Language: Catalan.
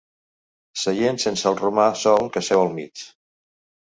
Seient sense el romà sol que seu al mig.